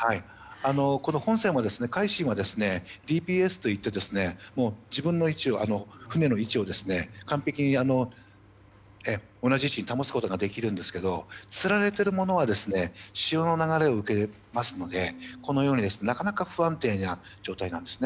本船の「海進」は自分の船の位置を完璧に同じ位置に保つことができるんですけどつられているものは潮の流れを受けますのでなかなか不安定な状態なんです。